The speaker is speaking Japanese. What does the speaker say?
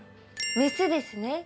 メスですね。